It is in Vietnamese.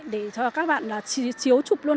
để cho các bạn chiếu chụp luôn